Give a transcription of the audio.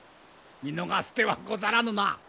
見逃す手はござらぬな！